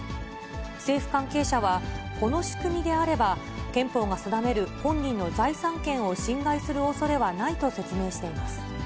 政府関係者は、この仕組みであれば、憲法が定める本人の財産権を侵害するおそれはないと説明しています。